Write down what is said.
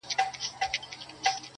د ژوند كولو د ريښتني انځور.